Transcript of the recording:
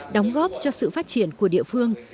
đóng góp cho sự phát triển của địa phương